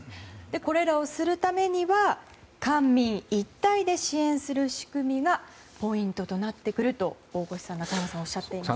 これらをするためには官民一体で支援する仕組みがポイントとなってくるとおっしゃっています。